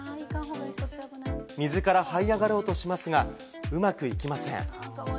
水からはい上がろうとしますが、うまくいきません。